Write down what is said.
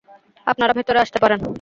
আপনারা ভেতরে আসতে পারেন।